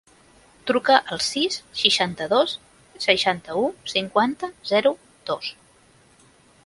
Truca al sis, seixanta-dos, seixanta-u, cinquanta, zero, dos.